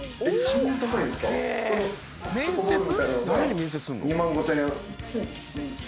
そうですね。